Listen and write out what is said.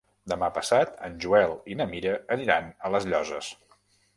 Demà passat en Joel i na Mira aniran a les Llosses.